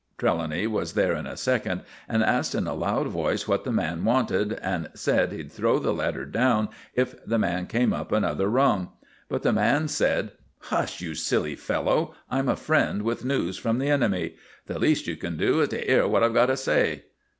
Trelawny was there in a second, and asked in a loud voice what the man wanted, and said he'd throw the ladder down if the man came up another rung. But the man said: "Hush! you silly fellow; I'm a friend with news from the enemy. The least you can do is to 'ear what I've got to say."